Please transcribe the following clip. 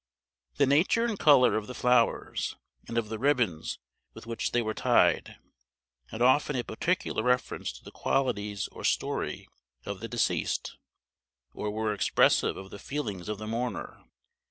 The nature and color of the flowers, and of the ribbons with which they were tied, had often a particular reference to the qualities or story of the deceased, or were expressive of the feelings of the mourner.